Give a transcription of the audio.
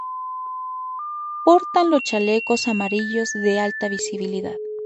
Portan los chalecos amarillos de alta visibilidad